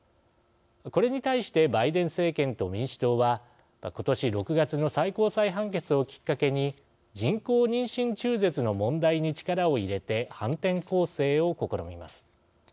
これに対してバイデン政権と民主党は今年６月の最高裁判決をきっかけに人工妊娠中絶の問題に力を入れて反転攻勢を試みます。